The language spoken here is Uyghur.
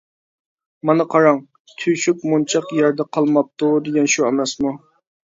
مانا قاراڭ، «تۆشۈك مونچاق يەردە قالماپتۇ» دېگەن شۇ ئەمەسمۇ.